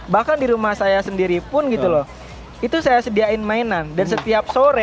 bahkan di rumah saya sendiri pun gitu loh itu saya sediain mainan dan setiap sore